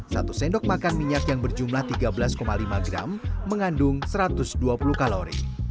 satu sendok makan minyak yang berjumlah tiga belas lima gram mengandung satu ratus dua puluh kalori